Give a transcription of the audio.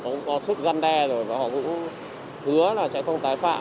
họ cũng có sức gian đe rồi và họ cũng hứa là sẽ không tái phạm